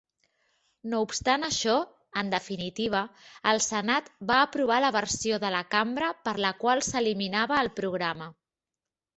No obstant això, en definitiva, el Senat va aprovar la versió de la cambra per la qual s'eliminava el programa.